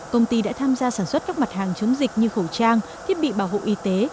công ty đã tham gia sản xuất các mặt hàng chống dịch như khẩu trang thiết bị bảo hộ y tế